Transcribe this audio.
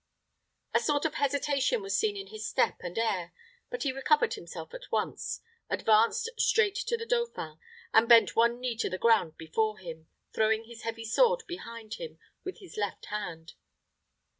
A sort of hesitation was seen in his step and air; but he recovered himself at once, advanced straight to the dauphin, and bent one knee to the ground before him, throwing his heavy sword behind with his left hand.